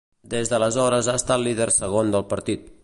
Des d'aleshores ha estat Líder Segon del partit.